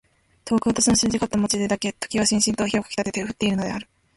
遠く私のすれちがった街でだけ時はしんしんと火をかきたてて降っているのである。